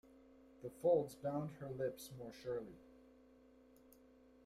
The folds bound her lips more surely.